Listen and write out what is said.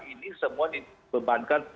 ini semua dibebankan